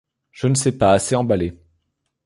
Je ne sais pas, c’est emballé.